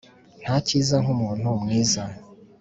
nta kiza nk’umuntu mwiza